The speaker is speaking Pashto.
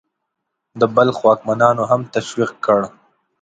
د بلخ واکمنانو هم تشویق کړ.